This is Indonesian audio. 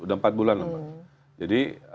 sudah empat bulan mbak jadi